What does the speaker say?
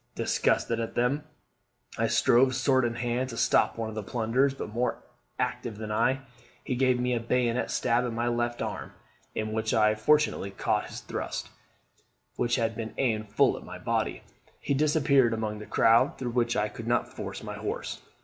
Disgusted at them, I strove, sword in hand, to stop one of the plunderers; but, more active than I, he gave me a bayonet stab in my left arm, in which I fortunately caught his thrust, which had been aimed full at my body. He disappeared among the crowd, through which I could not force my horse.